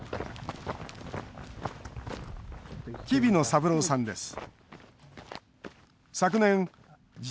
黍野三郎さんです。